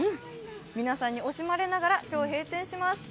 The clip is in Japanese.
皆さんに惜しまれながら今日、閉店します。